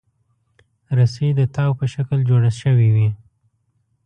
رسۍ د تاو په شکل جوړه شوې وي.